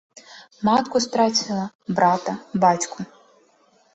Матку страціла, брата, бацьку.